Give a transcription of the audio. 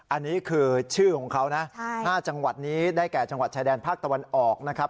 อันนี้คือชื่อของเขานะ๕จังหวัดนี้ได้แก่จังหวัดชายแดนภาคตะวันออกนะครับ